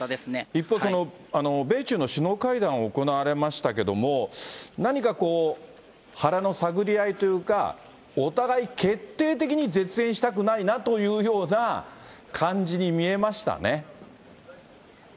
一方、米中の首脳会談行われましたけども、何かこう、腹の探り合いというか、お互い決定的に絶縁したくないなというような感じに見えましたね。